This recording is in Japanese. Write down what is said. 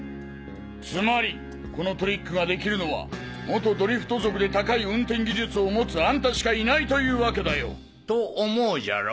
つまりこのトリックができるのは元ドリフト族で高い運転技術を持つあんたしかいないというわけだよ！と思うじゃろ？